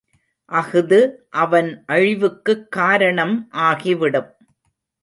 அஃது அவன் அழிவுக்குக் காரணம் ஆகிவிடும்.